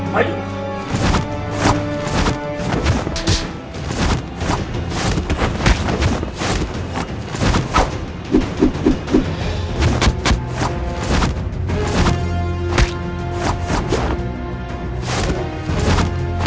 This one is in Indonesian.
jangan cuba coba mendekat